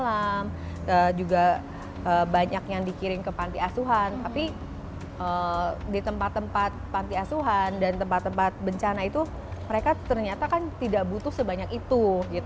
juga banyak yang dikirim ke panti asuhan tapi di tempat tempat panti asuhan dan tempat tempat bencana itu mereka ternyata kan tidak butuh sebanyak itu